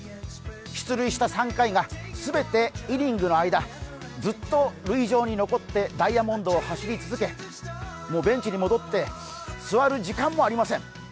出塁した３回が全てイニングの間ずっと塁上に残ってダイヤモンドを走り続け、ベンチに戻って座る時間もありません。